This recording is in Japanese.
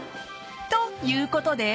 ［ということで］